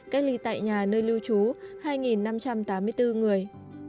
cách ly tại nhà nơi lưu trú hai năm trăm tám mươi bốn người